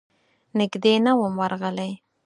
نږدې نه وم ورغلی.